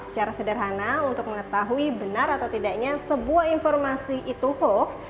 secara sederhana untuk mengetahui benar atau tidaknya sebuah informasi itu hoax